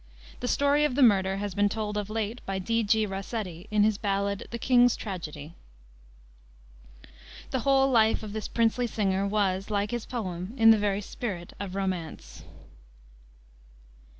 The story of the murder has been told of late by D. G. Rossetti, in his ballad, The King's Tragedy. The whole life of this princely singer was, like his poem, in the very spirit of romance.